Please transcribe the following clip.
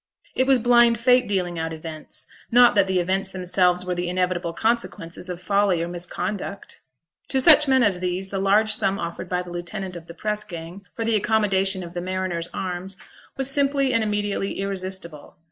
It was blind fate dealing out events, not that the events themselves were the inevitable consequences of folly or misconduct. To such men as these the large sum offered by the lieutenant of the press gang for the accommodation of the Mariners' Arms was simply and immediately irresistible.